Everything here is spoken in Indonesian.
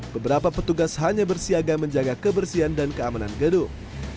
beberapa petugas hanya bersiaga menjaga kebersihan dan keamanan gedung